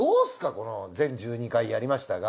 この全１２回やりましたが。